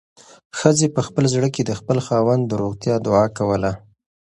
ښځې په خپل زړه کې د خپل خاوند د روغتیا دعا کوله.